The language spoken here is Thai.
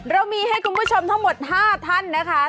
เรามีให้คุณผู้ชมทั้งหมด๕ท่านนะคะ